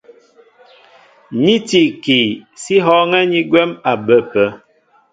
Ní tí ikii, sí hɔ̄ɔ̄ŋɛ́ ni gwɛ̌m a bə ápə̄.